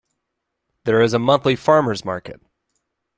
There is a monthly Farmers' Market.